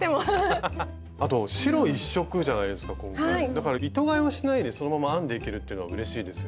だから糸がえはしないでそのまま編んでいけるっていうのはうれしいですよね。